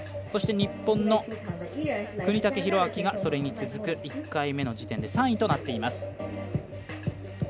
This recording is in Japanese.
そして、日本の國武大晃がそれに続く、１回目の時点で３位となっています。